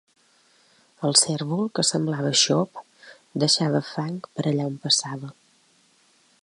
El cérvol, que semblava xop, deixava fang allà per on passava.